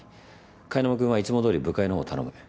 貝沼君はいつもどおり部会のほう頼む。